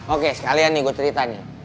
oke sekalian nih gue ceritanya